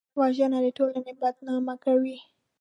وژنه د ټولنې بدنامه کوي